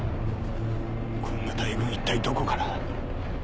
こんな大軍一体どこから。